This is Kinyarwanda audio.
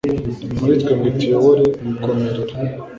muri twe ngo ituyobore gukomerera